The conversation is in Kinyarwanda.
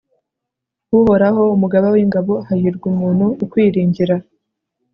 uhoraho, mugaba w'ingabo, hahirwa umuntu ukwiringira